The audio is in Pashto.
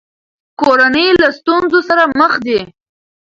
کورنۍ له ستونزو سره مخ دي.